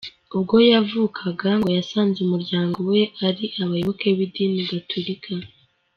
Ubwo yavukaga ngo yasanze umuryango we ari abayoboke b’idini gatolika.